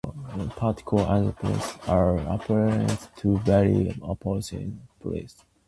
Patriotism and internationalism are, apparently, two very opposite principles.